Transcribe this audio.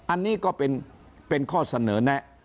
อันนี้ก็เป็นข้อเสนอแนะ